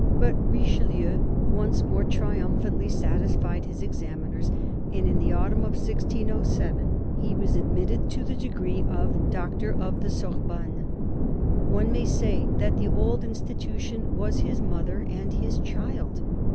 But Richelieu, once more, triumphantly satisfied his examiners and in the autumn of 1607 he was admitted to the degree of Doctor of the Sorbonne. One may say that the old institution was his mother and his child.